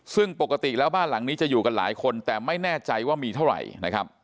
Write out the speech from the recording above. ซึ่งปกติแล้วบ้านหลังนี้จะอยู่กันหลายคนแต่ไม่แน่ใจว่ามีเท่าไหร่นะครับ